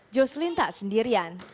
jocelyn tak sendirian